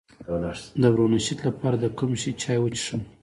د برونشیت لپاره د کوم شي چای وڅښم؟